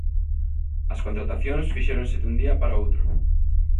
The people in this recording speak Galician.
As contratacións fixéronse dun día para outro.